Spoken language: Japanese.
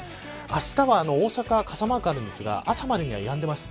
あしたは大阪、傘マークあるんですが朝までにはやんでいます。